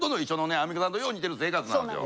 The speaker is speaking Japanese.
アンミカさんとよう似てる性格なんですよ。